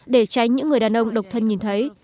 để tránh những người đàn ông độc thân nhìn thấy